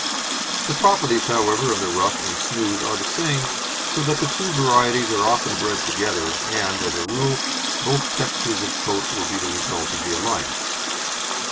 The properties, however, of the rough and smooth are the same, so that the two varieties are often bred together, and, as a rule, both textures of coat will be the result of the alliance.